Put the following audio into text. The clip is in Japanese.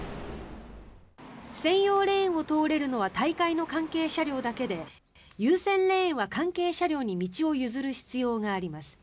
専用レーンを通れるのは大会の関係車両だけで優先レーンは関係車両に道を譲る必要があります。